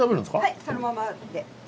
はいそのままで。